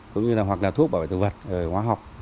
cũng như là hoặc là thuốc bảo vệ thực vật hóa học